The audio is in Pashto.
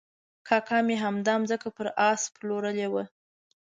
کاکا مې همدا ځمکه پر آس پلورلې وه.